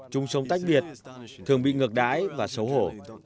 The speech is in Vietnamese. chúng sống tách biệt thường bị ngược đái và xấu hổ